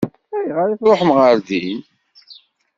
Ayɣer i tṛuḥem ɣer din?